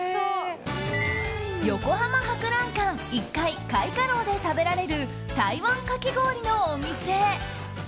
横浜博覧会１階開華楼で食べられる台湾かき氷のお店。